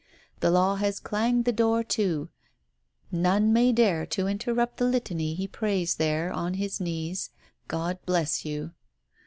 The law has clanged the door to, none may dare to interrupt the Litany he prays there, on his knees. God bless you.